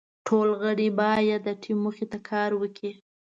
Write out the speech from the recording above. ټول غړي باید د ټیم موخې ته کار وکړي.